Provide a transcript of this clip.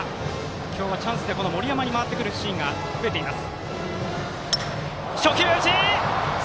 今日はチャンスで森山に回ってくるシーンが増えています。